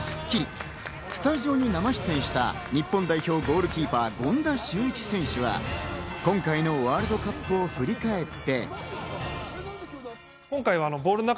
一昨日の『スッキリ』、スタジオに生出演した日本代表ゴールキーパー・権田修一選手は今回のワールドカップを振り返って。